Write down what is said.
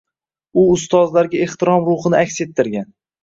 U ustozlarga ehtirom ruhini aks ettirgan.